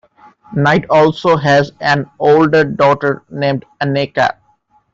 Knight also has an older daughter named Aneka.